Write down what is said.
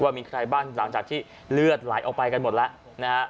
มีใครบ้างหลังจากที่เลือดไหลออกไปกันหมดแล้วนะฮะ